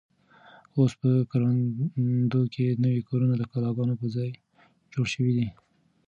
اوس په کروندو کې نوي کورونه د کلاګانو په ځای جوړ شوي دي.